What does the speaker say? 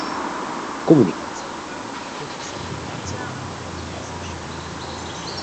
Kommunikációjukban fontos szerepet játszanak a hangjelzések.